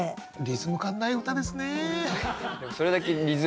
リズム感ない歌ですね。